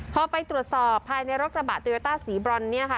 พอไปตรวจสอบภายในรถกระบะโตโยต้าสีบรอนเนี่ยค่ะ